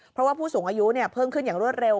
เพราะว่าผู้สูงอายุเพิ่มขึ้นอย่างรวดเร็ว